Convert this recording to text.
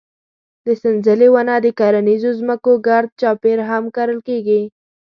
د سنځلې ونه د کرنیزو ځمکو ګرد چاپېره هم کرل کېږي.